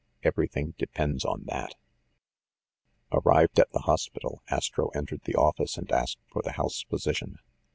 Every thing depends on that !" Arrived at the hospital, Astro entered the office and asked for the house physician.